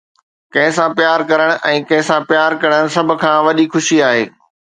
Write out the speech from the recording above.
ڪنهن سان پيار ڪرڻ ۽ ڪنهن سان پيار ڪرڻ سڀ کان وڏي خوشي آهي.